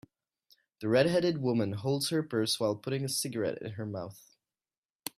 The redheaded woman holds her purse while putting a cigarette in her mouth.